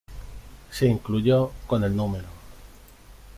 Se incluyó, con el núm.